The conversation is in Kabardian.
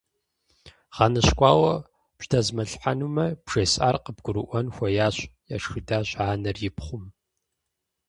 ГъэныщкӀуауэ бжьэдэзмылъхьэнумэ, бжесӀар къыбгурыӀуэн хуеящ, – ешхыдащ анэр и пхъум.